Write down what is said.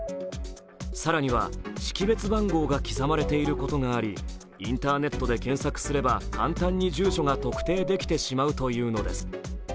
更には識別番号が刻まれていることがあり、インターネットで検索すれば簡単に住所が特定できてしまうというのです。